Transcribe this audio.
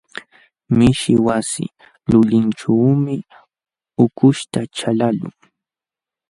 Mishi wasi lulinćhuumi ukuśhta chalaqlun.